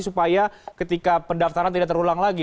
supaya ketika pendaftaran tidak terulang lagi